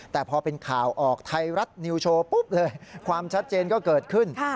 แต่พอเป็นข่าวออกไทยรัฐนิวโชว์ปุ๊บเลยความชัดเจนก็เกิดขึ้น